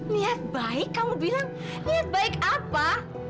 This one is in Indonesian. niat baik kamu bilang niat baik apa